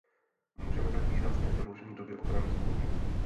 Můžeme tak výrazné prodloužení doby ochrany zdůvodnit?